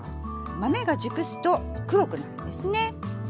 豆が熟すと黒くなるんですね。